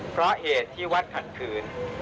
เพราะเหตุที่วัดขัดขืน